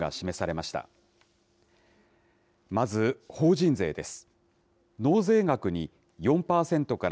まず、法人税です。